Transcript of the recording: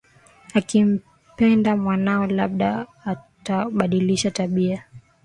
Ukimpenda mwanao labda atabadilisha tabia